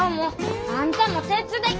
あんたも手伝い！